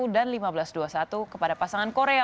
dan lima belas dua puluh satu kepada pasangan korea